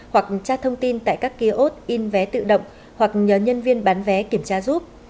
hoặc tra thông tin tại các kiosk in vé tự động hoặc nhờ nhân viên bán vé kiểm tra giúp